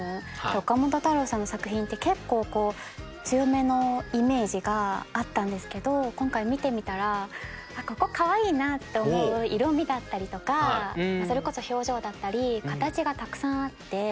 岡本太郎さんの作品って結構強めのイメージがあったんですけど今回見てみたらここかわいいなって思う色みだったりとかそれこそ表情だったり形がたくさんあって。